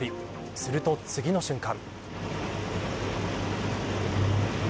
すると、次の瞬間。